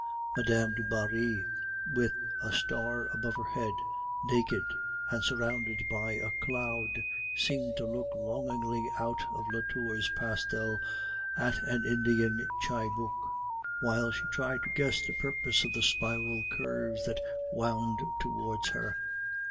Mme. du Barry, with a star above her head, naked, and surrounded by a cloud, seemed to look longingly out of Latour's pastel at an Indian chibook, while she tried to guess the purpose of the spiral curves that wound towards her.